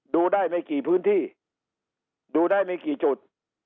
ดูได้ไม่กี่พื้นที่ดูได้ไม่กี่จุด